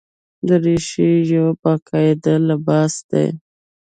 دریشي یو باقاعده لباس دی.